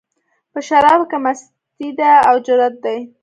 په شرابو کې مستي ده، او جرت دی